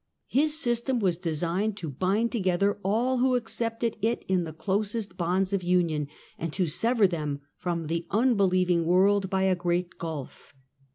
His system, was designed to bind together all who ac cepted it in the closest bonds of union, and to sever them from the unbelieving world by a great gulf.